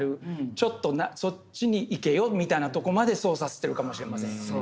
ちょっとそっちに行けよみたいなとこまで操作してるかもしれませんよね。